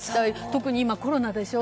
特に今、コロナでしょ？